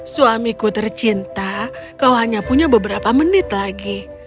suamiku tercinta kau hanya punya beberapa menit lagi